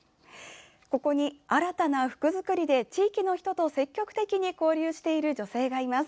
ここに新たな服作りで地域の人と積極的に交流している女性がいます。